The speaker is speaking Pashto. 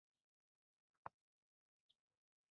زده کوونکي دې په خپلو کتابچو کې د متن تش ځایونه ډک کړي.